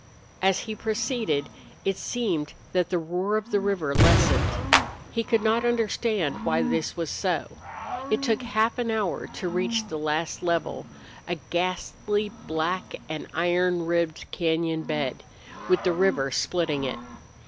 As he proceeded it seemed that the roar of the river lessened. He could not understand why this was so. It took half an hour to reach the last level, a ghastly, black, and iron ribbed cañon bed, with the river splitting it.